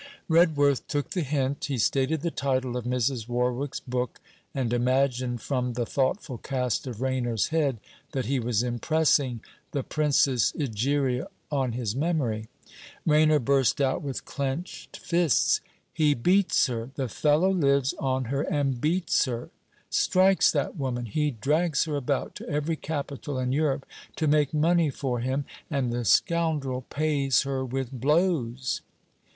Redworth took the hint. He stated the title of Mrs. Warwick's book, and imagined from the thoughtful cast of Rainer's head, that he was impressing THE PRINCESS EGERIA On his memory. Rainer burst out, with clenched fists: 'He beats her! The fellow lives on her and beats her; strikes that woman! He drags her about to every Capital in Europe to make money for him, and the scoundrel pays her with blows.'